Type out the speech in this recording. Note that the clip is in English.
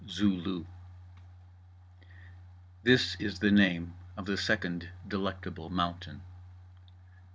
ZOO LOO This is the name of the second Delectable Mountain.